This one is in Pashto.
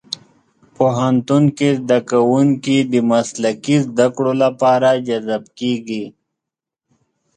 پوهنتون کې زدهکوونکي د مسلکي زدهکړو لپاره جذب کېږي.